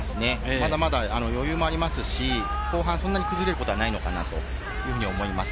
まだまだ余裕もありますし、後半そんなに崩れることはないのかなというふうに思います。